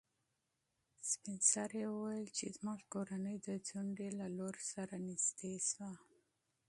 سپین سرې وویل چې زموږ کورنۍ د ځونډي له لور سره نږدې شوه.